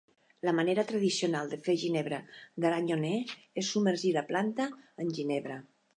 La manera tradicional de fer ginebra d'aranyoner és submergir la planta en ginebra.